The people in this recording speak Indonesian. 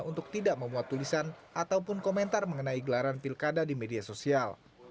untuk tidak memuat tulisan ataupun komentar mengenai gelaran pilkada di media sosial